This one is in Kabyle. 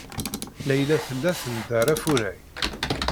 Layla tella tenḍerr afurray.